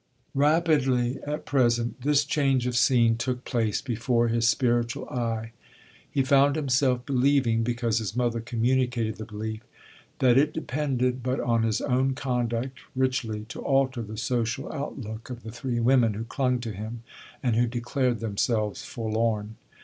Rapidly, at present, this change of scene took place before his spiritual eye. He found himself believing, because his mother communicated the belief, that it depended but on his own conduct richly to alter the social outlook of the three women who clung to him and who declared themselves forlorn.